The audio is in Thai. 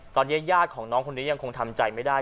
ตอนนี้ญาติของน้องคนนี้ยังคงทำใจไม่ได้